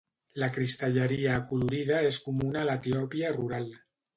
La cistelleria acolorida és comuna a l'Etiòpia rural.